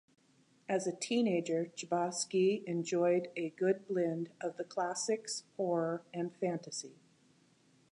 As a teenager, Chbosky enjoyed a good blend of the classics, horror, and fantasy.